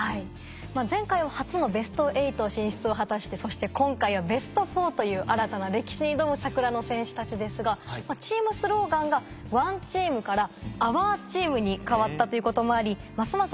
前回は初のベスト８進出を果たしてそして今回はベスト４という新たな歴史に挑む桜の選手たちですがチームスローガンが「ＯＮＥＴＥＡＭ」から「ＯｕｒＴｅａｍ」に変わったということもありますます